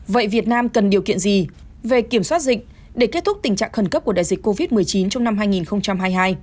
vậy việt nam cần điều kiện gì về kiểm soát dịch để kết thúc tình trạng khẩn cấp của đại dịch covid một mươi chín trong năm hai nghìn hai mươi hai